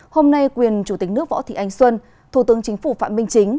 hôm nay quyền chủ tịch nước võ thị ánh xuân thủ tướng chính phủ phạm minh chính